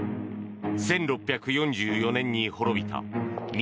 １６４４年に滅びた明